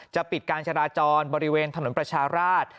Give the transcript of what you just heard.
ปิดการจราจรบริเวณถนนประชาราช